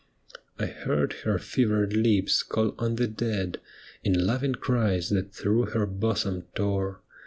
I heard her fevered lips call on the dead In loving cries that through her bosom tore.